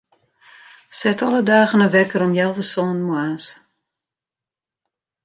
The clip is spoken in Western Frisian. Set alle dagen in wekker om healwei sânen moarns.